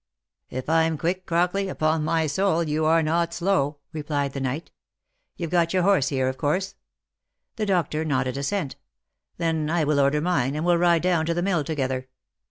" If I'm quick, Crockley, upon my soul you # are not slow," re plied the knight. " You've got your horse here, of course?" The doctor nodded assent. " Then I will order mine, and we'll ride down to the mill together.